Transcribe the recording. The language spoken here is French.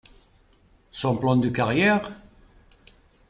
Son plan de carrière?